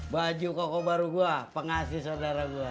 baju koko baru gua pengasih saudara gua